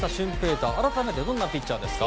大改めてどんなピッチャーですか。